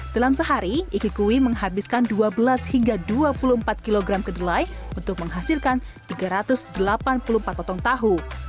dalam sehari iki kui menghabiskan dua belas hingga dua puluh empat kg kedelai untuk menghasilkan tiga ratus delapan puluh empat potong tahu